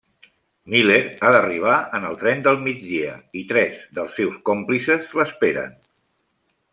Miller ha d'arribar en el tren del migdia i tres dels seus còmplices l'esperen.